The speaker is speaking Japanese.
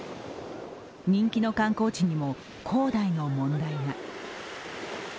人気の観光地にも恒大の問題が。